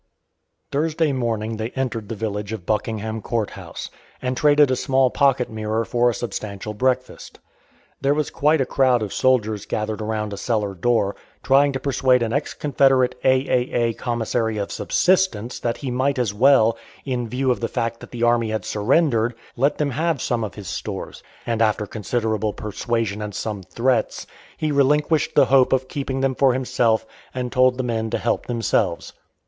Thursday morning they entered the village of Buckingham Court House, and traded a small pocket mirror for a substantial breakfast. There was quite a crowd of soldiers gathered around a cellar door, trying to persuade an ex Confederate A.A.A. Commissary of Subsistence that he might as well, in view of the fact that the army had surrendered, let them have some of his stores; and, after considerable persuasion and some threats, he relinquished the hope of keeping them for himself, and told the men to help themselves.